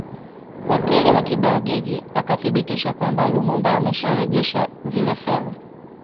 Wakili wa Kibelgiji akathibitisha kwamba Lumumba amesharejesha zile fedha